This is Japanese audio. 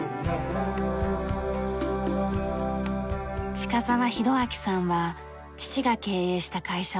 近澤裕明さんは父が経営した会社を継いだ２代目。